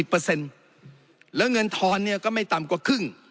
แล้วเงินทอนเนี่ยก็ไม่ต่ำกว่าครึ่ง